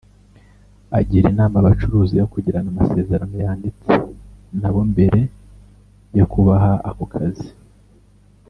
agira inama abacuruzi yo kugirana amasezerano yanditse nabo mbere yo kubaha ako kazi